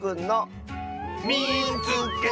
「みいつけた！」。